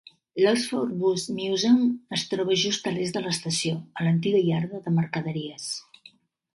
L'Oxford Bus Museum es troba just a l'est de l'estació, a l'antiga iarda de mercaderies.